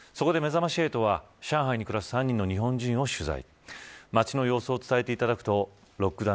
そこで、めざまし８は上海に暮らす３人の日本人を取材。